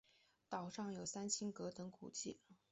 岛上有三清阁等古迹。